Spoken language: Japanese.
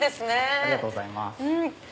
ありがとうございます。